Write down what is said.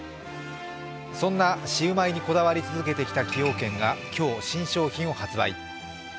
そんなシウマイにこだわり続けてきた崎陽軒が今日、新商品を発売。